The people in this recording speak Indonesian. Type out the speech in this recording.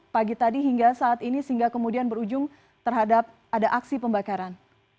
pagi tadi hingga saat ini sehingga kemudian berujung terhadap ada aksi pembakaran